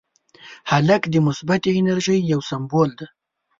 هلک د مثبتې انرژۍ یو سمبول دی.